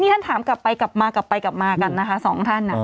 ท่านถามกลับไปกลับมากลับไปกลับมากันนะคะสองท่าน